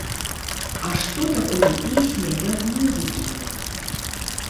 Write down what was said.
А што такое песня без музыкі?